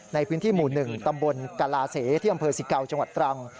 ในพื้นที่หมู่๑ตำบลกลาเสที่อำเภอสิเกาจังหวัดตรัง